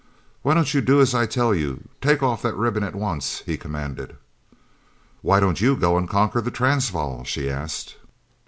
"Why don't you do as I tell you? Take off that ribbon at once," he commanded. "Why don't you go and conquer the Transvaal?" she asked.